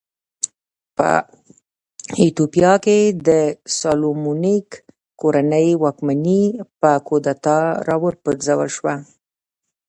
په ایتوپیا کې د سالومونیک کورنۍ واکمني په کودتا راوپرځول شوه.